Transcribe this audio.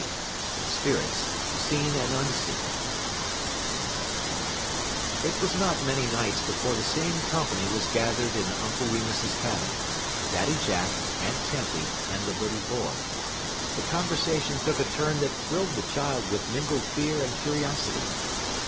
XXVIII SPIRITS, SEEN AND UNSEEN It was not many nights before the same company was gathered in Uncle Remus's cabin, Daddy Jack, Aunt Tempy, and the little boy. The conversation took a turn that thrilled the child with mingled fear and curiosity.